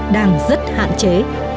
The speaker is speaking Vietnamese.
đang rất hạn chế